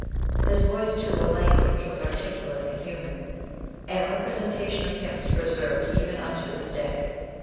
His voice too and language was articulate and human, and a representation of him is preserved even unto this day.